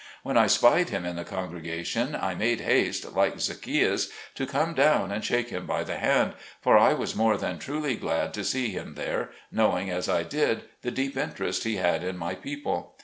When I spied him in the congregation I made haste, like Zacheus, to come down and shake him by the hand, for I was more than truly glad to see him there, knowing as I did, the deep interest he had in my people.